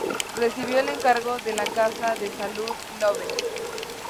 Recibió el encargo de la Casa de Salud Lovell.